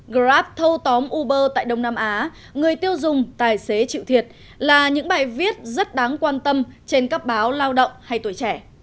grab thâu tóm uber tại đông nam á người tiêu dùng tài xế chịu thiệt là những bài viết rất đáng quan tâm trên các báo lao động hay tuổi trẻ